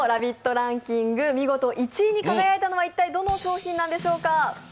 ランキング、見事１位に輝いたのは一体どの商品なんでしょうか。